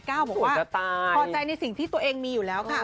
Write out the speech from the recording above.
บอกว่าพอใจในสิ่งที่ตัวเองมีอยู่แล้วค่ะ